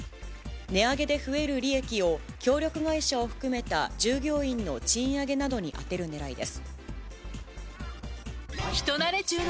値上げで増える利益を協力会社を含めた従業員の賃上げなどに充てるねらいです。